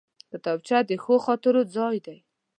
کتابچه د ښو خاطرو ځای دی